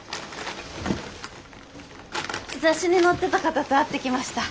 雑誌に載ってた方と会ってきました。